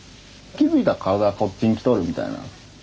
気付いたら体がこっちに来とるみたいな。